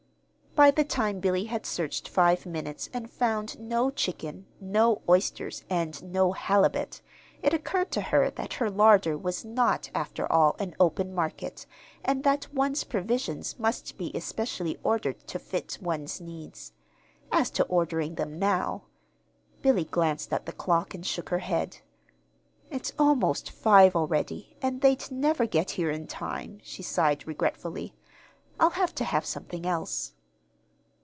By the time Billy had searched five minutes and found no chicken, no oysters, and no halibut, it occurred to her that her larder was not, after all, an open market, and that one's provisions must be especially ordered to fit one's needs. As to ordering them now Billy glanced at the clock and shook her head. "It's almost five, already, and they'd never get here in time," she sighed regretfully. "I'll have to have something else."